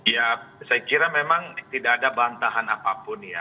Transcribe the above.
ya saya kira memang tidak ada bantahan apapun ya